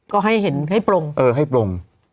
ก็ให้เห็นให้ปรง